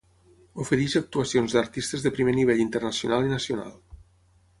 Ofereix actuacions d'artistes de primer nivell internacional i nacional.